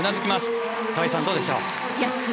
河合さん、どうでしたか。